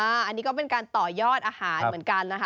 อันนี้ก็เป็นการต่อยอดอาหารเหมือนกันนะคะ